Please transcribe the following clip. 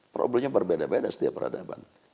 problemnya berbeda beda setiap peradaban